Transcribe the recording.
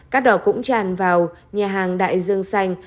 cát đỏ cũng tràn vào nhà hàng đại dương xanh